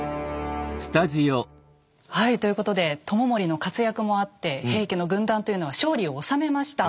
はいということで知盛の活躍もあって平家の軍団というのは勝利を収めました。